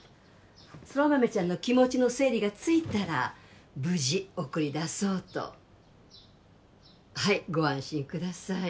空豆ちゃんの気持ちの整理がついたら無事送り出そうとはいご安心ください